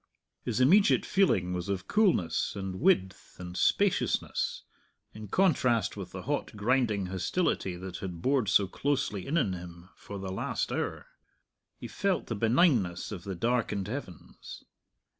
His immediate feeling was of coolness and width and spaciousness, in contrast with the hot grinding hostility that had bored so closely in on him for the last hour. He felt the benignness of the darkened heavens.